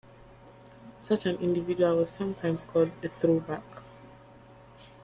Such an individual was sometimes called a "throwback".